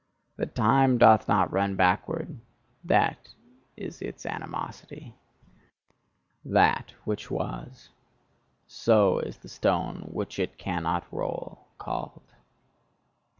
That time doth not run backward that is its animosity: "That which was": so is the stone which it cannot roll called.